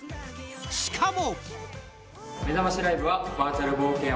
しかも。